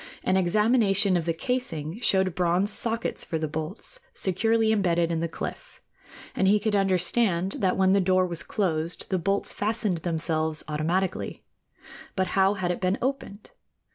An examination of the casing showed bronze sockets for the bolts securely embedded in the cliff, and he could understand that when the door was closed the bolts fastened themselves automatically. But how had it been opened?